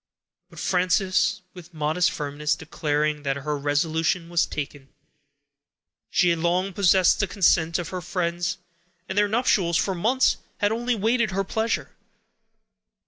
But Frances, with modest firmness, declared that her resolution was taken; she had long possessed the consent of her friends, and their nuptials, for months, had only waited her pleasure.